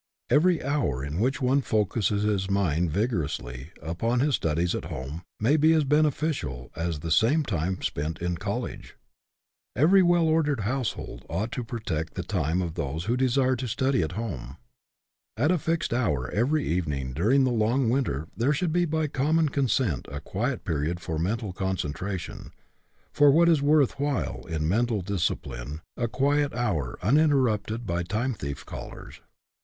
Every hour in which one focuses his mind vigorously up on his studies at home may be as beneficial as the same time spent in college. Every well ordered household ought to pro tect the time of those who desire to study at home. At a fixed hour every evening during the long winter there should be by common consent a quiet period for mental concentra tion, for what is worth while in mental dis cipline, a quiet hour uninterrupted by time thief callers.